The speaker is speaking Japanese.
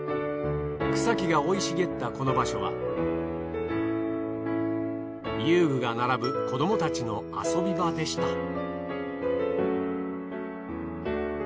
草木が生い茂ったこの場所は遊具が並ぶ子どもたちの遊び場でした。